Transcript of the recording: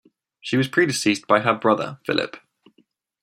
She was predeceased by her brother, Philip.